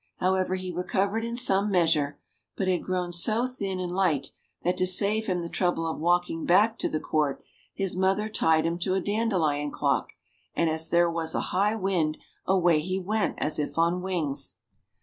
However, he re covered in some measure, but had grown so thin and light that to save him the trouble of walking back to the court, his mother tied him to a dandelion clock, and as there was a high wind, away he went as if on wings.